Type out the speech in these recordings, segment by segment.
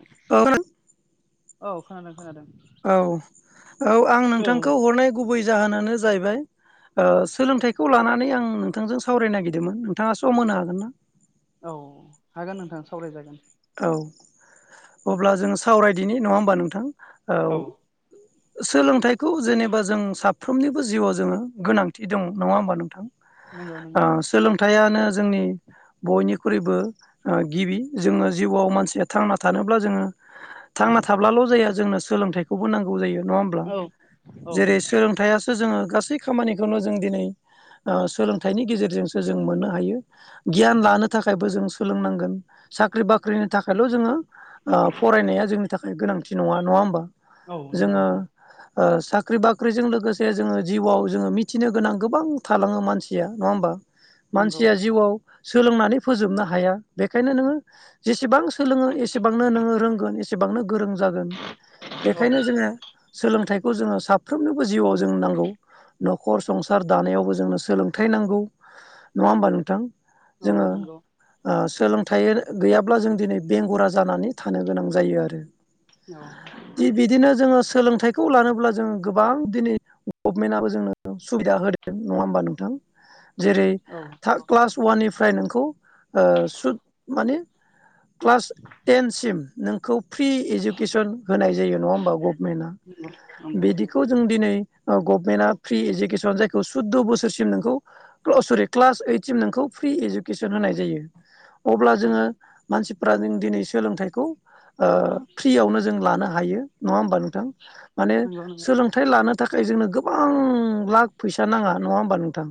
[unintelligible] औ खोनादों खोनादों। औ औ आं नोंथांखौ हरनाय गुबै जाहोनानो जाहैबाय ओ सोलोंथाइखौ लानानै आं नोंथांजों सावरायनो नागिरदोंमोन। थाङा सम होनो हागोन ना। औ हागोन नोंथां सावरायजागोन। औ अब्ला जों सावरायदिनि नङा होमबा नोंथां। औ। सोलोंथाइखौ जेनेबा जों साफ्रोमनिबो जिउआव जोङो गोनांथि दं नङा होमबा नोंथां। नोंगौ नोंगौ। थायानो जोंनि बयनिख्रुइबो ओ गिबि जोङो जिउआव मानसिया थांना थानोब्ला जोङो थांना थाब्लाल' जाया जोंनो सोलोंथाइखौबो नांगौ जायो। नङा होमब्ला औ औ जेरै सोलोंथाइया सो जोङो गासै खामानिखौनो जों दिनै ओ सोलोंथाइनि गेजेरजोंसो जों मोननो हायो। गियान लानो थाखायबो जों सोलोंनांगोन सा ख्रि बाख्रिनि थाखायल' जोङो ओ फरायनाया जोंनि थाखाय गोनांथि नङा नङा होमबा। औ जोङो नोंगौ। ओ साख्रि बाख्रिजों लोगोसे जोङो जिउआव जोङो मिथिनो गोनां गोबां थालाङो मानसिया नङा होमबा। नंगौ मानसिया जिउआव सोलोंनानै फोजोबनो हाया बेखायनो नोङो जेसेबां सोलोङो एसेबांनो नोङो रोंगोन एसेबांनो गोरों जागोन औ बेखायनो जोङो सोलोंथाइखौ जोङो साफ्रोमनोबो जिउआव जों नांगौ। न'खर संसार दानायावबो जोंनो सोलोंथाइ नांगौ नङा होमबा नोंथां। औ जोङो नंगौ ओ सोलोंथाइ गैयाब्ला जों दिनै बेंगुरा जानानै थानो गोनां जायो आरो। औ। दि बिदिनो जोङो सोलोंथाइखौ लानोब्ला जों गोबां दिनै गभमेन्टआबो जोंनो सुबिदा होदों नङा होमबा नोंथां। [inaudible] जेरै औ नंगौ क्लास अवाननिफ्राय नोंखौ ओ सुद माने क्लास टेनसिम नोंखौ फ्रि इडुकेसन होनाय जायो नङा होमबा गभमेन्टआ। नंगौ बिदिखौ जों दिनै गभमेन्टआ फ्रि इडुकेस जायखौ सुदद' बोसोरसिम नोंखौ अ सरि क्लाज ओइदसिम नोंखौ फ्रि इडुकेसन होनाय जायो। अब्ला जोङो मानसि फोरा जों दिनै सोलोंथाइखौ ओ फ्रियावनो जों लानो हायो नङा होमबा नोंथां। माने नंगौ नंगौ सोलोंथाइ लानो थाखाय जोंनो गोबां लाख फैसा नाङा नङा होमबा नोंथां।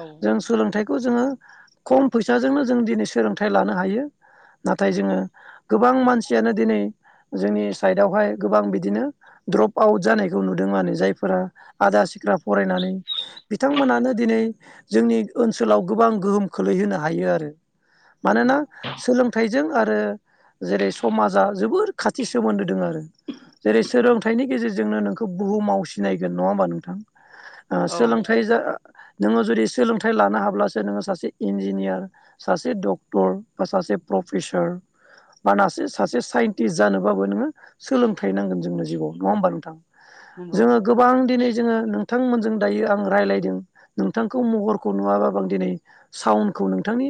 औ जों सोलोंथाइखौ जोङो खम फैसाजोंनो जों दिनै सोलोंथाइ लानो हायो। नाथाय जोङो गोबां मानसियानो दिनै जोंनि साइडआवहाय गोबां बिदिनो द्रप आउट जानायखौ नुदों आरो जायफोरा आदा सिद्रा फरायनानै बिथांमोनानो दिनै जोंनि ओनसोलाव गोबां गोहोम खोलै होनोनो हायो आरो नंगौ मानोना सोलोंथाइ जों आरो जेरै समाजा जोबोर खाथि सोमोन्दो दं आरो। जेरै सोलोंथाइनि गेजेरजोंनो नोंखौ बुहुममाव सिनायगोन नङा होमबा नोंथां। ओ औ सोलोंथाइ जा नोङो जुदि सोलोंथाइ लानो हाब्लासो नोङो सासे इन्जिनियार। सासे डक्टर बा सासे प्रफेसार। बानासो सासे साइन्टिस्ट जानोबाबो नोङो सोलोंथाइ नांगोन जोंनो जिउआव नङा होमबा नोंथां नंगौ जोङो गोबां दिनै जोङो नोंथांमोनजों दायो आं रायज्लायदों नोंथांखौ महरखौ नुवाबाब आं दिनै साउन खौ नोंथांनि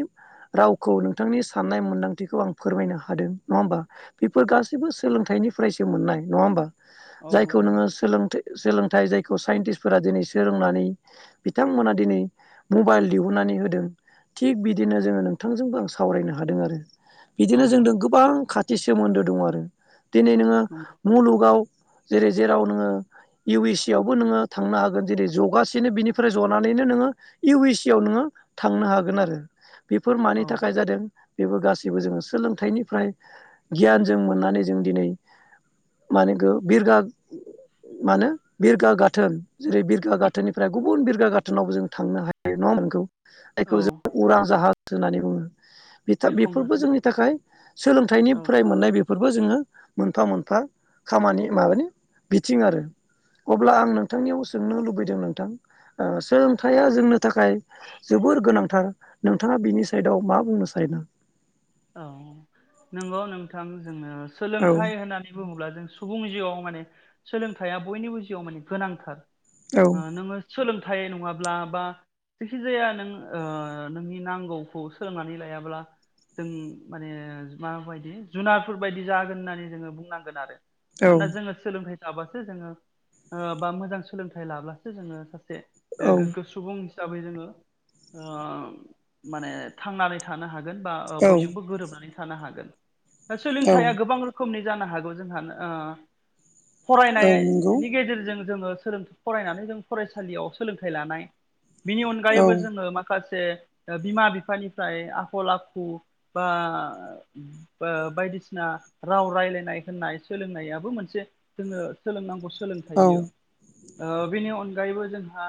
रावखौ नोंथांनि साननाय मोनदांथिखौ आं फोरमायनो हादों नङा होमबा बेफोर गासैबो सोलोंथाइनिफ्रायसो मोननाय नङा होमबा औ जायखौ नंगौ नोङो सोलोंथाइ सोलोंथाइ जायखौ साइन्टिस्फोरा दिनै सोलोंनानै बिथांमोना दिनै मबाइल दिहुननानै होदों थिग बिदि बिदिनो जोङो नोंथांजोंबो आं सावरायनो हादों आरो औ बिदिनो जों गोबां खाथि सोमोन्दो दङ आरो दिनै नोङो नंगौ मुलुगाव जेरै जेराव नोङो इउ एस सि आवबो नोङो थांनो हागोन जेरै जगासिनो बिनिफ्राय जनानै बिनो नोङो इउ एस सि आव नोङो थांनो हागोन आरो बेफोर मानि औ थाखाय जादों बेबो गासैबो जोङो सोलोंथाइनिफ्राय गियान जों मोननानै जों दिनै माने गो बिरगा मानो बिरगा गाथोन जेरै बिरगा गाथोननिफ्राय गुबुन बिरगा गाथोनावबो जों थांनो हायो नङामोनखौ औ उरां जाहाज होननानै बुङो बिरखं बेफोरबो हागोन जोंनि थाखाय सोलोंथाइनि औ मोननाय बेफोर बेफोरबो जोङो मोनफा मोनफा खामानि माबानि बिथिं आरो अब्ला आं नोंथांनियाव सोंनो लुबैदों नोंथां औ सोलोंथाइया जोंनि थाखाय जोबोर गोनांथार नोंथाङा बिनि साइदाव मा बुंनो सानदों औ नंगौ नोंथां जोङो औ सोलोंथाइ होननानै बुङोब्ला जों सुबुं जिउआव माने सोलोंथाया बयनिबो जिआव मानि गोनांथार औ थाय नङाब्ला बा जायखि जाया नों नोंनि नांगौखौ सोलोंनानै लायाब्ला जों माने माबायदि जुनारफोरबायायदि जागोन होननानै जोङो बुंनांगोन आरो औ मानोना जोङो सोलोंथाइ थाब्लाासो जोङो बा मोजां सोलोंथाइ लाब्लासो जोङो सासे औ गोगो सुबुं हिसाबै जोङो माने थांनानै थानो हागोन बा ओ बयजोंबो गोरोबनानै थानो हागोन दा औ सोलोंथया गोबां रोखोमनि जानो हागौ जोंहा औ औ नंगौ फरायनायनि गेजेरजों जोङो फरायनानै जों फरायसालियाव सोलोंथाइ लानाय बिनि औ अनगायैबो जोङो माखासे बिमा बिफानिफ्राय आखल आखु बा बायदिसिना राव रायज्लायनाय होननाय सोलोंनायाबो मोनसे जोङो सोलोंनांगौ सोलोंथाइ औ बियो बेनि अनगायै अनगायबो जोंहा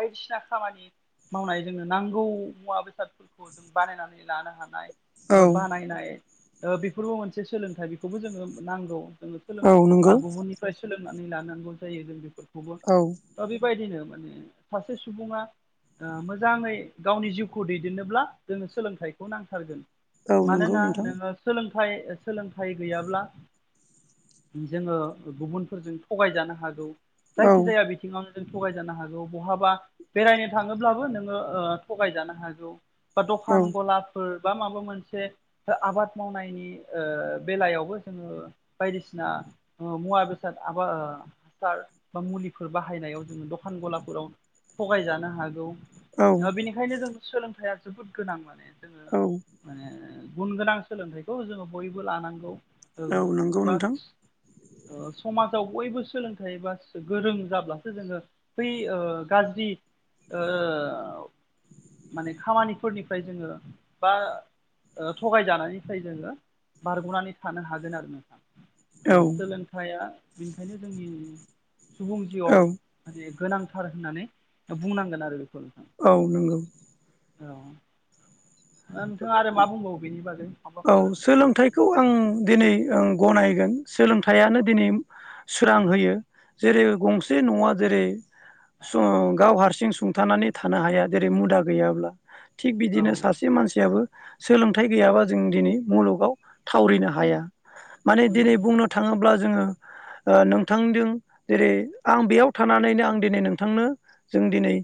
बायदिसिना खामानि मावनाय जोंनो नांगौ मुवा बेसादफोरखौ जों बानायनानै लानो हानाय बा बानायनाय बेफोरबो मोनसे सोलोंथाइ बेखौबो जोङो नांगौ जो औ नंगौ गुबुननिफ्राय सोलोंनानै लानांगौ जायो जों बेफोरखौबो औ दा बेबायदिनो माने सासे सुबुङा मोजाङै गावनि जिउखौ दैदेननोब्ला जोङो सोलोंथाइखौ नांथारगोन औ नंगौ मानोना नोंथां नोङो सोलोंथाइ सोलोंथाइ गैयाब्ला जोङो गुबुनफोरजों थगायजानो हागौ औ जायखिजाया बिथिङाव जों थगायजानो हागौ बहाबा बेरायनो थाङोब्लाबो नोङो थगायजानो हागौ बा औ दखान गलाफोर बा माबा मोनसे आबाद मावनायनि बेलायावबो जोङो बायदिसिना मुवा बेसाद आबा हासार बा मुलिफोर बाहायनायाव जोङो दखान गलाफोराव थगायजानो हागौ औ बेनिखायनो जों सोलोंथाइा जोबोद गोनां माने जोङो औ माने गुन गोनां सोलोंथाइखौ जोङो बयबो लानांगौ ओ औ नंगौ बा नोंथां समाजाव बयबो सोलोंथाइ बा गोरों जाब्लासो जोंङो बै गाज्रि ओ माने खामानिफोरनिफ्राय जोंङो बा ओ थगायजानायनिफ्राय जोंङो बारग'नानै थानो हागोन आरो नोंथां औ सोलोंथाइया बेनिखायनो जोंनि सुबुं जिउआव औ माने गोनांथार होननानै बुंनांगोन आरो बेखौ औ नंगौ ओ दा नोंथाङा आरो मा बुंबावो बेनि बागै औ माबाफोर सोलोंथाइखौ आं दिनै गनायगोन सोलोंथाइयानो दिनै सोरां होयो जेरै गंसे न'आ जेरै स गाव हारसिं सुंथानानै थानो हाया जेरै मुदा गैयाब्ला थिग औ बिदिनो सासे मानसियाबो सोलोंथाइ गैयाबा जों दिनै मुलुगाव थावरिनो हाया माने दिनै नंगौ बुंनो थाङोब्ला जोंङो नोंथांजों जेरै आं बेयाव थानानैनो आं दिनै नोंथांनो जों दिनै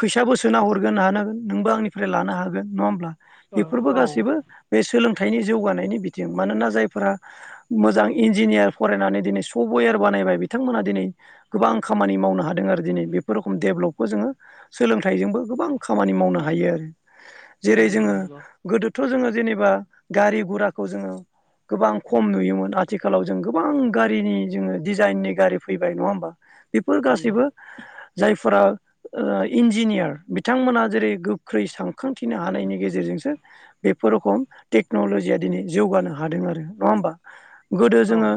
फैसाबो सोना हरगोन हानांगोन नोंबो आंनिफ्राय लानो हागोन नङा होमब्ला औ बेफोरबो औ गासैबो बे सोलोंथाइनि जौगानायनि बिथिं मानोना जायफोरा मोजां इन्जिनियार फरायनानै दिनै सब वेर बानायबाय बिथांमोना दिनै गोबां खामानि मावनो हादों आरो दिनै बेफोर देभेलपखौ जोंङो सोलोंथाइजोंबो गोबां खामानि मावनो हायो आरो जेरै नंगौ जोंङो नंगौ गोदोथ' जोंङो जेने बा गारि गुराखौ जोंङो गोबां खम नुयोमोन आथिखालाव जों गोबां गारिनि जोंङो डिजाइननि गारि फैबाय नङा होमबा बेफोर नंगौ गासैबो जायफोरा ओ इन्जिनियार बिथांमोना जेरै गोख्रै सानखांथिनो हानायनि गेजेरजोंसो बेफोर रखम टेक्न'ल'जिया दिनै जौगानो हादों आरो नङा होमबा गोदो औ जोङो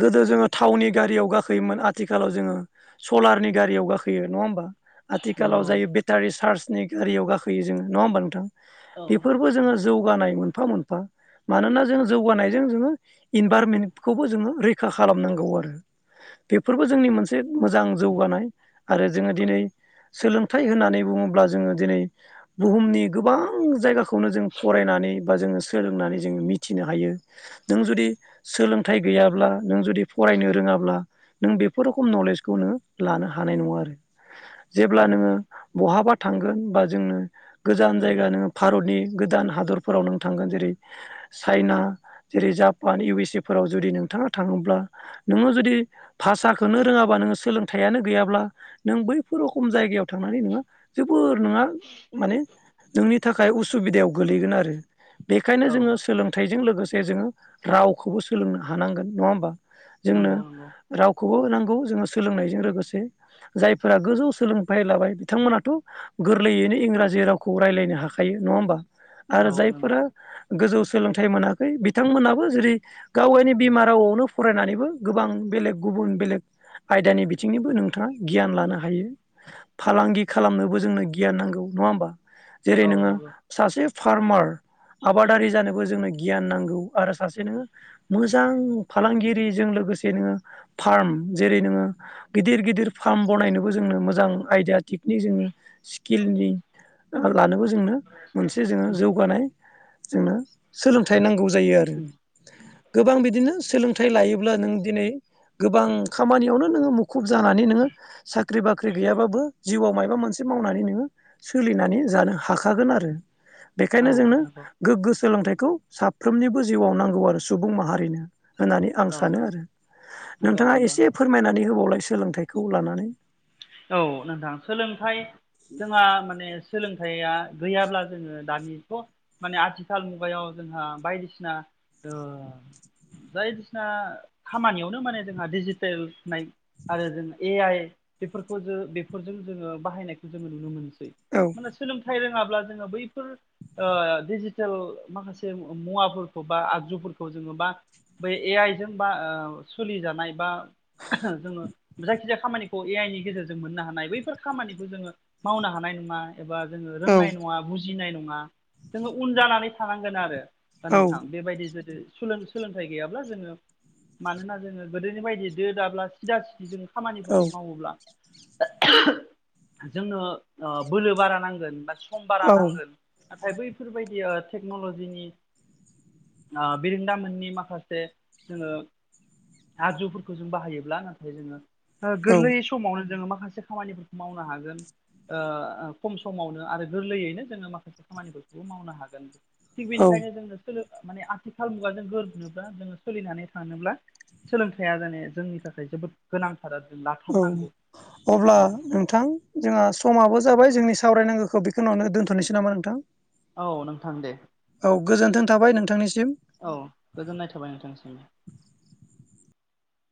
गोदो जोंङो थावनि गारियाव गाखोयोमोन आथिखालाव जोंङो सलारनि गारियाव गाखोयो नंङा हा आथिखालाव नंगौ जायो बेटारि चार्जनि गारियाव गाखोयो जोंङो नङा होमबा नोंथां औ बेफोरबो जोंङो जौगानाय मोनफा मोनफा मानोना जोंङो जौगानायजों जोंङो इनभारमेन्टखौबो जोंङो रैखा खालामनांगौ आरो। बेफोरबो जोंनि मोनसे मोजां जौगानाय आरो जोंङो दिनै सोलोंथाइ होननानै बुङोब्ला जोंङो दिनै बुहुमनि गोबां जायगाखौनो जों फरायनानै बा जों सोलोंनानै जों मिथिनो हायो‌ नों जुदि सोलों थाय गैयाब्ला नों जुदि फरायनो रोङाब्ला नों बेफोर रोखम नलेजखौ नोङो लानो हानाय नङा आरो [inaudible] जेब्ला नोङो बहाबा थांगोन बा जोंनो गोजान जायगा नोंङो मुलुगनि गोदान हादरफोराव नों थांगोन जेरै चाइना जेरै जापान इउ एस ए फोराव जों जुदि नोंथाङा थाङोब्ला नोङो जुदि भाषाखौनो रोङाबा नोङो सोलोंथाइयानो गैयाब्ला नों बैफोर रखम जायगायाव थांनानै नोंङो जोबोर नोंहा माने जोंनि नोंनि थाखाय उसुबिदायाव गोलैगोन आरो बेखायनो औ जोंङो सोलोंथाय जों लोगोसे जोंङो रावखौबो सोलोंनो हानांगोन नङा होमबा जोंनो नंगौ नंगौ रावखौबो होनांगौ जोंङो सोलोंनायजों लोगोसे जायफोरा गोजौ सोलोंथाइ लाबाय बिथांमोनाथ गोरलैयैनो इंरा जि रावखौ रायजलायनो हाखायो नङा होमबा औ आरो नंगौ जायफोरा गोजौ सोलों थाय मोनाखै बिथांमोनाबो जेरै गाव गायनि बिमा रावआवनो फरायनानैबो गोबां बेलेग गुबुन बेलेग आयदानि बिथिंनिबो नोंथाङा गियान लानो हायो फालांगि खालामनोबो जोंनो गियान नांगौ नङा हबा जेरै औ नोङो नंगौ सासे फार्मार आबादारि जानोबो जोंनो गियान नांगौ आरो सासे नोंङो मोजां फालांगिरिजों लो गोसे नोङो फार्म जेरै नोङो गिदिर गिदिर फार्म बनायनोबो जोंनो मोजां आयदा टेकनिक जोंङो स्किलनि लानोबो जोंनो मोनसे जोंङो जौगानाय जोंनो सोलोंथाइ नांगौ जायो आरो। उम गोबां बिदिनो सोलोंथाइ लायोब्ला नों दिनै गोबां खामानियावनो नोङो मुखुब जानानै नोङो साख्रि बाख्रि गैयाबाबो जिउआव मायबा मोनसे मावनानै नोङो सोलिनानै जानो हाखागोन आरो औ बेखायनो जोंङो नंगौ गोग्गो सोलोंथाइखौ साफ फ्रोमनिबो जिउआव नांगौ आरो सुबुं माहारिनो होननानै आं औ सानो आरो नंगौ नोंथाङा नंगौ एसे फोरमायनानै होबावलाय सोलोंथाइखौ लानानै औ नोंथां सोलोंथाइ जोंहा माने सोलोंथाइया गैयाब्ला जोङो दानिथ माने आथिखाल मुगायाव जोंहा बायदिसिना जायदिसिना खामानियावनो माने जोंहा डिजिटेल होननाय आरो जों ए आइ बेफोरखौ जो बेफोरजों जोङो बाहायनायखौ जोङो नुनो मोनसै औ माने सोलोंथाइ रों ङाब्ला जोङो बैफोर डिजिटेल माखासे मुवाफोरखौ बा आगजुफोरखौ जों बा बै ए आइ जों बा सोलिजानाय बा जोङो जायखिजाया खामानिखौ ए आइ नि गेजेरजों मोननो हानाय बैफोर खामानिखौ जोंङो मावनो हानाय नङा एबा जोंङो औ रोंनाय नङा बु जिनाय नङा जोङो उन जानानै थानांगोन आरो दा औ नोंथां बेबायदि जु सोलोंथाइ गैयाब्ला जोङो मानोना जोङो गोदोनि बायदि दो दाब्ला सिदा सिद जों औ खामानिफोरखौ मावोब्ला जोंनो बोलो बारा नांगोन बा खम बारा नांगोन नाथाय बैफोरबायदि टेक्नलजिनि बिरोंदामोननि माखासे जोङो आगजुफोरखौ जों बाहायोब्ला नाथाय जोंङो औ गोरलै समावनो जोंङो मा खासे खामानिफोरखौ मावनो हागोन खम समावनो आरो गोरलैयैनो जोङो माखासे खामानिफोरखौबो मावनो हागोन थिग औ बेनिखायनो जोंनो स माने आथिखाल मुगाजों गोरोबनोब्ला जोङो सोलिनानै थानोब्ला सोलोंथाइया जाने जोंनि थाखाय जोबोद गोनां औ अब्ला औ नोंथां जोंहा समाबो जाबाय जोंनि सावरायनांगौखौ बेखौ नावनो दोनथनोसै नामा नोंथां औ नोंथां दे औ गोजोन्थों थाबाय नोंथांनि औ गोजोननाय थाबाय नोंथांनिसिम